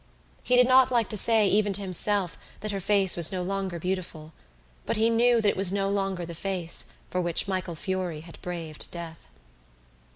He did not like to say even to himself that her face was no longer beautiful but he knew that it was no longer the face for which Michael Furey had braved death.